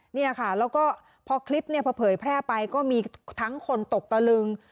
เนี่ยค่ะแล้วก็พอคลิปเนี่ยพอเผยแพร่ไปก็มีทั้งคนตกตะลึง